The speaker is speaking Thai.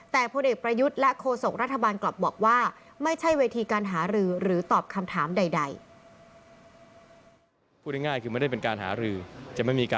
แต่พลเอกประยุทธ์และโฆษกรัฐบาลกลับบอกว่าไม่ใช่เวทีการหารือหรือตอบคำถามใด